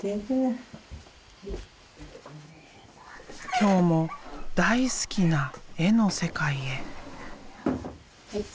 今日も大好きな絵の世界へ。